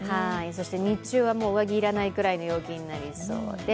そして日中は上着がいらないぐらいの陽気になりそうです。